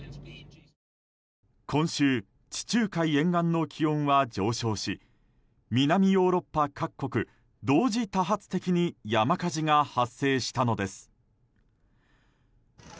今週、地中海沿岸の気温は上昇し南ヨーロッパ各国同時多発的に山火事が発生したのです。